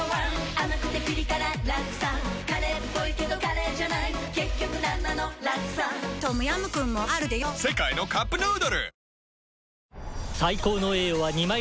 甘くてピリ辛ラクサカレーっぽいけどカレーじゃない結局なんなのラクサトムヤムクンもあるでヨ世界のカップヌードル